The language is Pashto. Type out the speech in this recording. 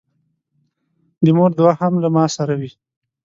د مور دعا هم له ما سره وي.